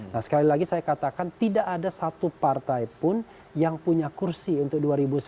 nah sekali lagi saya katakan tidak ada satu partai pun yang punya kursi untuk dua ribu sembilan belas